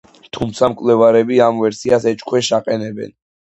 თუმცა მკვლევარები ამ ვერსიას ეჭქვეშ აყენებენ.